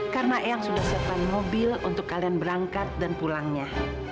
karena ayang sudah siapkan mobil untuk kalian berangkat dan pulangnya